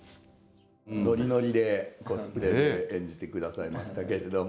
ノリノリでコスプレで演じて下さいましたけれども。